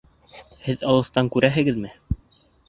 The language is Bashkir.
Һеҙ алыҫтан күрәһегеҙме?